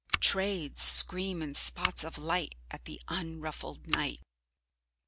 Trades scream in spots of light at the unruffled night.